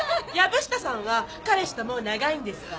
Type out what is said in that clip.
藪下さんは彼氏ともう長いんですか？